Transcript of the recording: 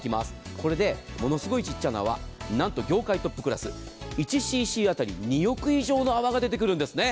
これでものすごい小さい泡なんと業界トップクラス１ｃｃ当たり２億以上の泡が出てくるんですね。